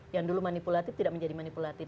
yang dulu manipulatif tidak menjadi manipulatif